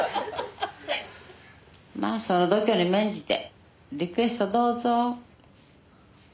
まあその度胸に免じてリクエストどうぞ。